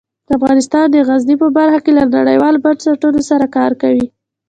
افغانستان د غزني په برخه کې له نړیوالو بنسټونو سره کار کوي.